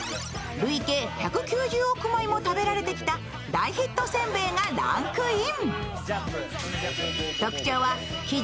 累計１９０億枚も食べられてきた大ヒット煎餅がランクイン。